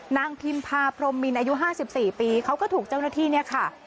นางพิมพาพรมมินอายุห้าสิบสี่ปีเขาก็ถูกเจ้าหน้าที่เนี้ยค่ะ